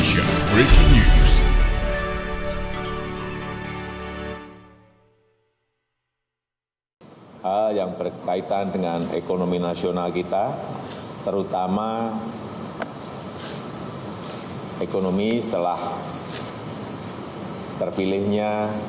hal yang berkaitan dengan ekonomi nasional kita terutama ekonomi setelah terpilihnya